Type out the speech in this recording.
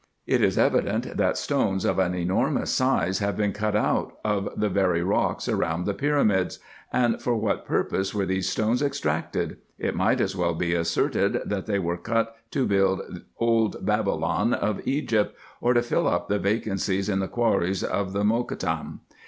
It is evident, that stones of an enormous size have been cut out of the very rocks around the pyramids ; and for what purpose were these stones extracted? It might as well be asserted, that they were cut to build old Babylon of Egypt, or to fill up the vacancies in the quarries of the Mokattam.